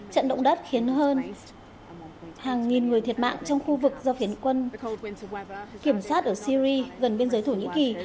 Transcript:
trận động đất khiến hơn hàng nghìn người thiệt mạng trong khu vực do phiến quân kiểm soát ở syri gần biên giới thổ nhĩ kỳ